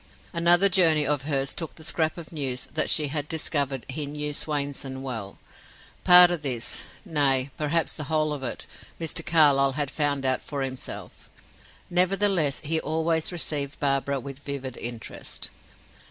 Another journey of hers took the scrap of news that she had discovered he knew Swainson well. Part of this, nay, perhaps the whole of it, Mr. Carlyle had found out for himself; nevertheless he always received Barbara with vivid interest.